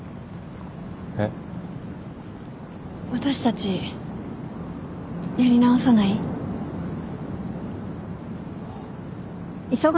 私たちやり直さない？あっ。